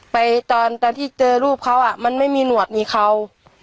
ตอนที่เจอรูปเขามันไม่มีหนวดมีเขา